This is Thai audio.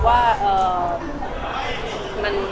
คงเป็นแบบเรื่องปกติที่แบบ